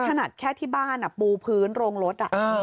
นี่คือขนาดแค่ที่บ้านอ่ะปูพื้นโรงรถอ่ะอืม